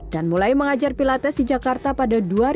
dan mulai mengajar pilates di jakarta pada dua ribu empat